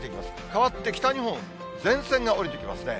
変わって北日本、前線が下りてきますね。